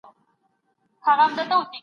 دا پلان له هغې ګټور دی.